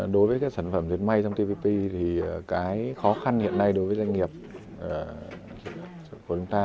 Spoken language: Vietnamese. đối với các sản phẩm diệt may trong tpp thì cái khó khăn hiện nay đối với doanh nghiệp của chúng ta